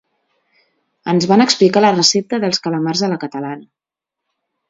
Ens van explicar la recepta dels calamars a la catalana.